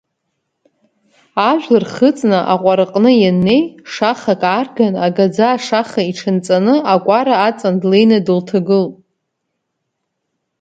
Ажәлар хыҵны аҟәараҟны ианнеи, шахак аарган, агаӡа ашаха иҽанҵаны акәара аҵан длеины дылҭагылт.